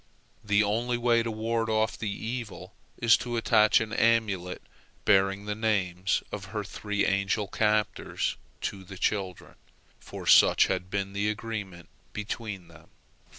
The only way to ward off the evil is to attach an amulet bearing the names of her three angel captors to the children, for such had been the agreement between them.